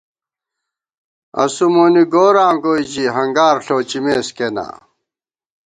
اسُو مونی گوراں گوئی ژِی ہنگار ݪوچِمېس کېنا